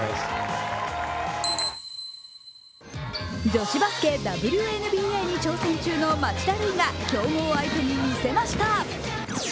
女子バスケＷＮＢＡに挑戦中の町田瑠唯が競合相手に見せました。